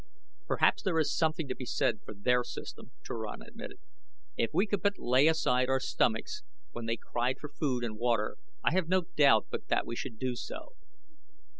"Perhaps there is something to be said for their system," Turan admitted. "If we could but lay aside our stomachs when they cried for food and water I have no doubt but that we should do so."